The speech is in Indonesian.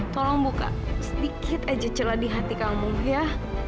tolong buka sedikit aja celah di hati kamu ya